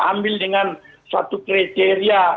ambil dengan suatu kriteria